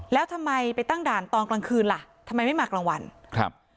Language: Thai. แล้วทำไมไปตั้งด่านตอนกลางคืนล่ะทำไมไม่มากลางวันครับ